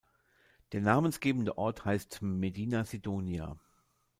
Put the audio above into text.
Der namensgebende Ort heißt Medina-Sidonia.